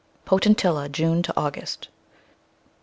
Potentilla, June to August H.